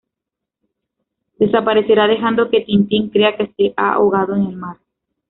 Desaparecerá dejando que Tintín crea que se ha ahogado en el mar.